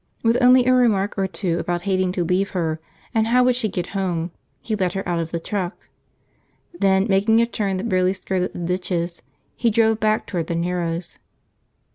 With only a remark or two about hating to leave her, and how would she get home, he let her out of the truck. Then, making a turn that barely skirted the ditches, he drove back toward the Narrows.